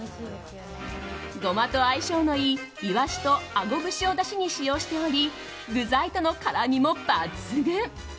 ゴマと相性のいいイワシとあご節をだしに使用しており具材との絡みも抜群。